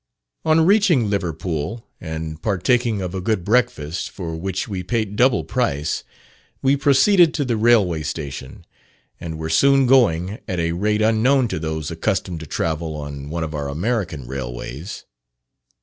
On reaching Liverpool, and partaking of a good breakfast, for which we paid double price, we proceeded to the railway station, and were soon going at a rate unknown to those accustomed to travel on one of our American railways.